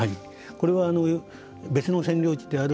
これは別の占領地である